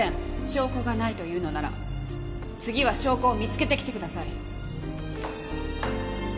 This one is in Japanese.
証拠がないというのなら次は証拠を見つけてきてください。